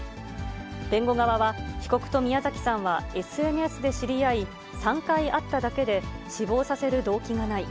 弁護側は被告と宮崎さんは、ＳＮＳで知り合い、３回会っただけで、死亡させる動機がない。